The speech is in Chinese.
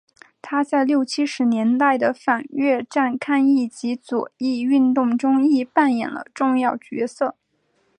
他在六七十年代的反越战抗议及左翼运动中亦扮演了重要角色。